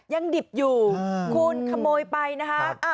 ดิบอยู่คุณขโมยไปนะคะ